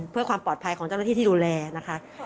เพื่อความปลอดภัยของเจ้าหน้าที่ที่ดูแลนะคะ